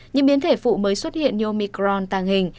những biến thể phụ mới xuất hiện như micron tàng hình